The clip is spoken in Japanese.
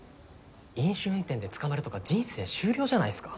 飲酒運転で捕まるとか人生終了じゃないっすか。